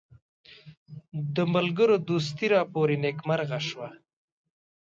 د ملګرو دوستي راپوري نیکمرغه شوه.